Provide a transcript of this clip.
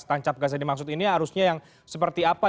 tancap gas ini maksudnya harusnya yang seperti apa